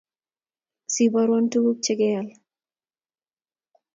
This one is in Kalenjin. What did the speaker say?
Siborwon tuguk chegeal